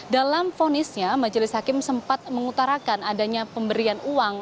dalam ponisnya majelis hakim sempat mengutarakan adanya pemberian uang